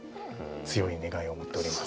強い願いを持っております。